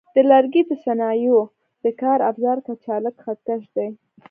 د لرګي د صنایعو د کار افزار کچالک خط کش دی.